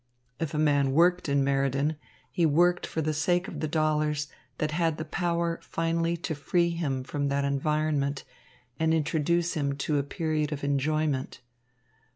If a man worked in Meriden, he worked for the sake of the dollars that had the power finally to free him from that environment and introduce him to a period of enjoyment.